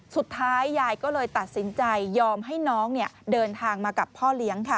สุดท้ายยายก็เลยตัดสินใจยอมให้น้องเดินทางมากับพ่อเลี้ยง